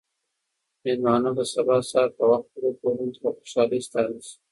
مېلمانه به سبا سهار په وخت خپلو کورونو ته په خوشحالۍ ستانه شي.